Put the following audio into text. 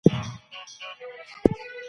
تاسو بايد د ليکوال او ټولني اړيکه ټينګه وساتئ.